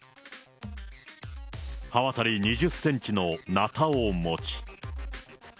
刃渡り２０センチのなたを持ち。